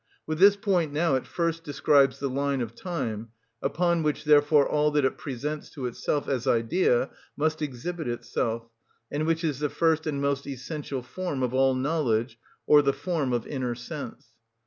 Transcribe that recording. With this point now it first describes the line of time, upon which, therefore, all that it presents to itself as idea must exhibit itself, and which is the first and most essential form of all knowledge, or the form of inner sense.